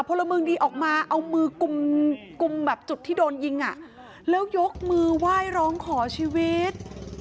พี่อุ๋ยขอชีวิต